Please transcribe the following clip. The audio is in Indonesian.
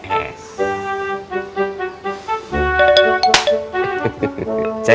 kayaknya kita sudah tersilap